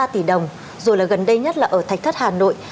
ba tỷ đồng rồi là gần đây nhất là ở thạch thất hà nội